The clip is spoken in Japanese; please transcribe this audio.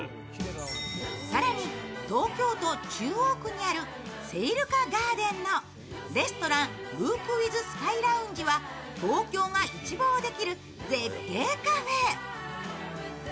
更に、東京都中央区にある聖路加ガーデンのレストランルーク・ウィズ・スカイラウンジは東京が一望できる絶景カフェ。